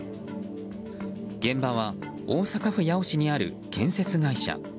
現場は大阪府八尾市にある建設会社。